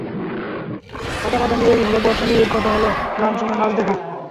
ছাতা মাথায় নিয়েই হলো বর্ষা নিয়ে কথা বলা, গান শোনা, নাচ দেখা।